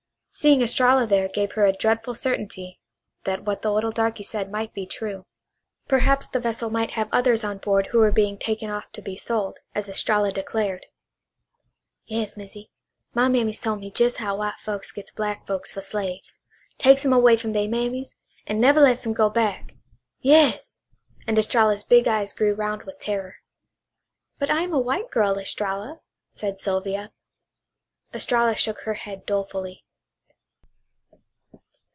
Seeing Estralla there gave her a dreadful certainty that what the little darky said might be true. Perhaps the vessel might have others on board who were being taken off to be sold, as Estralla declared. "Yas, Missy. My mammy's tole me jes' how white folks gets black folks fer slaves. Takes 'em away from their mammies, an' never lets 'em go back. Yas!" And Estralla's big eyes grew round with terror. "But I am a white girl, Estralla," said Sylvia. Estralla shook her head dolefully.